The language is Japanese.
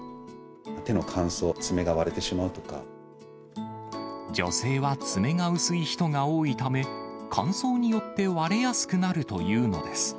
手の乾燥、女性は爪が薄い人が多いため、乾燥によって割れやすくなるというのです。